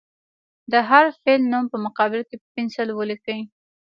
د هر فعل نوم په مقابل کې په پنسل ولیکئ.